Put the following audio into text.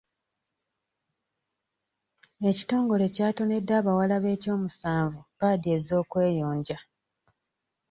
Ekitongole kyatonedde abawala be ky'omusanvu paadi ez'okweyonja.